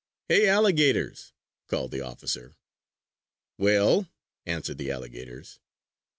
"Hey, alligators!" called the officer. "Well?" answered the alligators.